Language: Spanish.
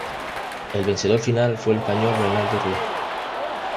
El vencedor final fue el español Bernardo Ruiz.